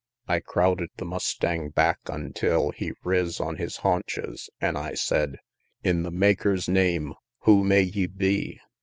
XLV. I crowded the mustang back, ontil He riz on his haunches an' I sed, "In the Maker's name, who may ye be?"